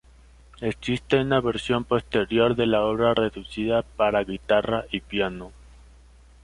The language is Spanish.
Existe una versión posterior de la obra reducida para guitarra y piano.